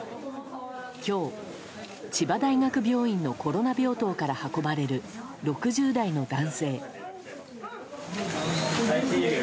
今日、千葉大学病院のコロナ病棟から運ばれる６０代の男性。